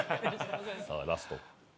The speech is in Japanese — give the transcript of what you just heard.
さあラスト。